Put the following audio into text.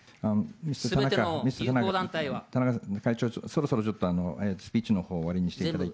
ミスター田中、会長、そろそろちょっとスピーチのほう終わりにしていただいて。